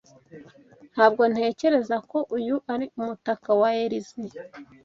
Ntabwo ntekereza ko uyu ari umutaka wa Elyse.